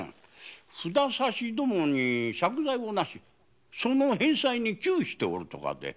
札差しどもに借財をしその返済に窮しているとか。